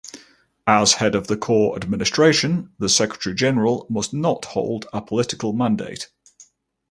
As head of the CoR administration, the Secretary-General must not hold a political mandate.